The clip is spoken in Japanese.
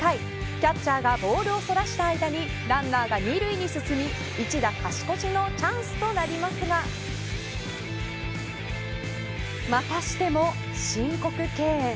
キャッチャーがボールをそらした間にランナーが２塁に進み一打勝ち越しのチャンスとなりますがまたしても申告敬遠。